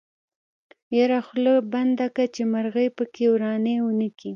يره خوله بنده که چې مرغۍ پکې ورانی ونکي.